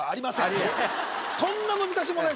そんな難しい問題